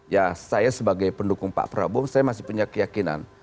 ya saya sebagai pendukung pak prabowo saya masih punya keyakinan